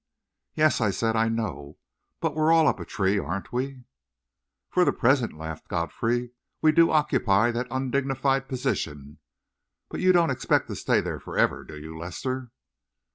"Yes," I said, "I know; but we're all up a tree, aren't we?" "For the present," laughed Godfrey, "we do occupy that undignified position. But you don't expect to stay there forever, do you, Lester?"